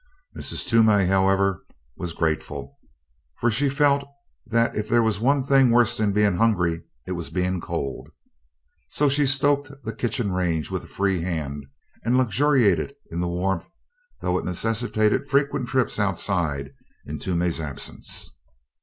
Mrs. Toomey, however, was grateful, for she felt that if there was one thing worse than being hungry it was being cold, so she stoked the kitchen range with a free hand and luxuriated in the warmth though it necessitated frequent trips outside in Toomey's absence.